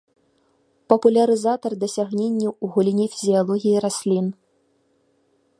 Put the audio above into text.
Папулярызатар дасягненняў у галіне фізіялогіі раслін.